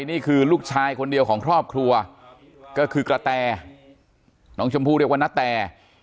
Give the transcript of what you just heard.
นี่คือลูกชายคนเดียวของครอบครัวก็คือกระแตน้องชมพู่เรียกว่านาแต